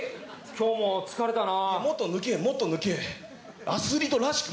「今日も疲れたな」。